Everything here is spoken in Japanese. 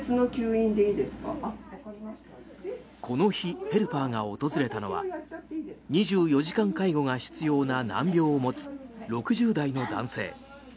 この日、ヘルパーが訪れたのは２４時間介護が必要な難病を持つ６０代の男性。